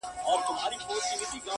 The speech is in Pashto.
په خپلو اوښکو.